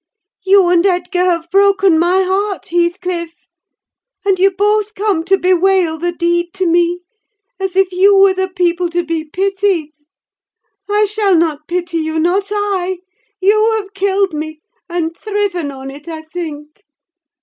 "You and Edgar have broken my heart, Heathcliff! And you both come to bewail the deed to me, as if you were the people to be pitied! I shall not pity you, not I. You have killed me—and thriven on it, I think.